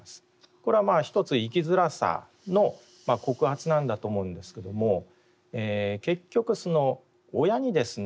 これはまあ一つ生きづらさの告発なんだと思うんですけども結局親にですね